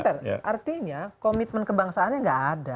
artinya komitmen kebangsaannya nggak ada